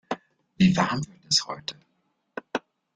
Wie warm wird es heute?